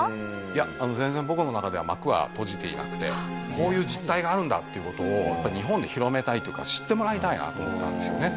いや全然僕の中では幕は閉じていなくてこういう実態があるんだっていう事をやっぱり日本で広めたいとか知ってもらいたいなと思ったんですよね。